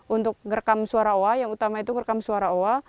untuk merekam suara oa yang utama itu merekam suara owa